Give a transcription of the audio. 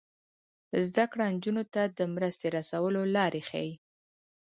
زده کړه نجونو ته د مرستې رسولو لارې ښيي.